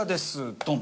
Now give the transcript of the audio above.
ドン！